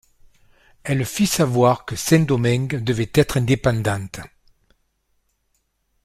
Elle fit savoir que Saint-Domingue devait être indépendante.